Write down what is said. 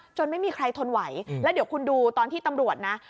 ไม่มีใครทนไหวแล้วเดี๋ยวคุณดูตอนที่ตำรวจนะ